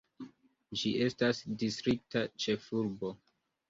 Ĝi estas distrikta ĉefurbo.